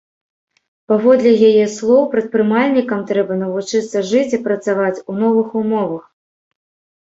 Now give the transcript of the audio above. Паводле яе слоў, прадпрымальнікам трэба навучыцца жыць і працаваць у новых умовах.